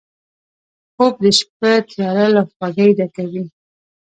خوب د شپه تیاره له خوږۍ ډکوي